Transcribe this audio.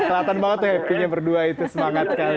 kelihatan banget tuh happy nya berdua itu semangat kali